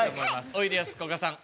おいでやすこがさん